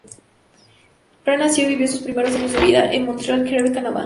Rhea nació y vivió sus primeros años de vida en Montreal, Quebec, Canadá.